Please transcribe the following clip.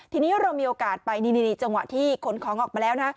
ทีนี้เรามีโอกาสไปนี่จังหวะที่ขนของออกมาแล้วนะ